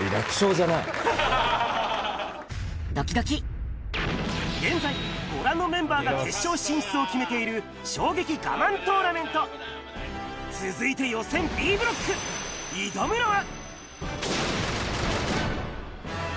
ドキドキ現在ご覧のメンバーが決勝進出を決めている「衝撃ガマン」トーナメント続いて予選Ｂブロック挑むのは⁉